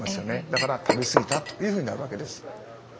だから食べすぎたというふうになるわけです。